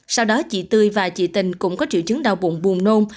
sau đó chị tươi và chị tình cũng có triệu chứng đau bụng buồn nôm